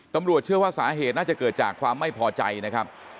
ตำรวจเชื่อว่าสาเหตุน่าจะเกิดจากความไม่พอใจนะครับ